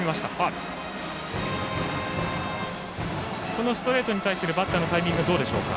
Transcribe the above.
このストレートに対するバッターのタイミングはどうでしょうか。